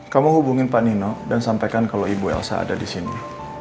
kamu hubungin pak nino dan sampaikan kalau ibu elsa ada di sini